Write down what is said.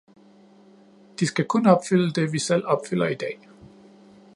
De skal kun opfylde det, vi selv opfylder i dag.